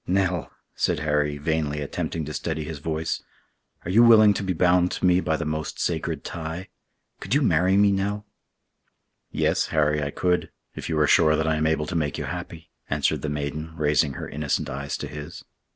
"Nell!" said Harry, vainly attempting to steady his voice, "are you willing to be bound to me by the most sacred tie? Could you marry me, Nell?" "Yes, Harry, I could, if you are sure that I am able to make you happy," answered the maiden, raising her innocent eyes to his.